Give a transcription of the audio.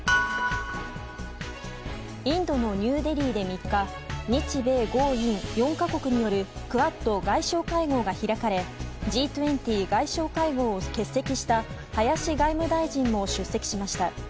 インドのニューデリーで３日日米豪印４か国によるクアッド外相会合が開かれＧ２０外相会合を欠席した林外務大臣も出席しました。